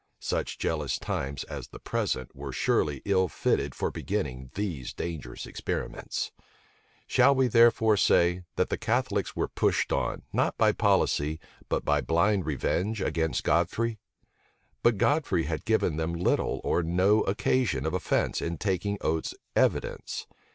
Such jealous times as the present were surely ill fitted for beginning these dangerous experiments. Shall we therefore say, that the Catholics were pushed on, not by policy, but by blind revenge, against Godfrey? But Godfrey had given them little or no occasion of offence in taking Oates's evidence.